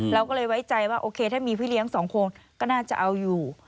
เราก็เลยไว้ใจว่าโอเคถ้ามีพี่เลี้ยง๒คนก็น่าจะเอาอยู่